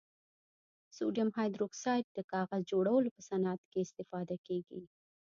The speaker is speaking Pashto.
سوډیم هایدروکسایډ د کاغذ جوړولو په صنعت کې استفاده کیږي.